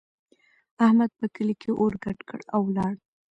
احمد په کلي کې اور ګډ کړ او ولاړ.